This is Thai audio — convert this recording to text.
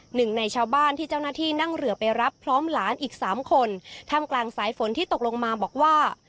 หนึ่งในชาวบ้านที่เจ้าหน้าที่นั่งเรือไปรับพร้อมหลานอีกสามคนท่ามกลางสายฝนที่ตกลงมาบอกว่า